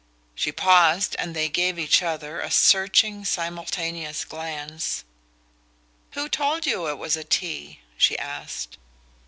She paused and they gave each other a searching simultaneous glance. "Who told you it was a tea?" she asked.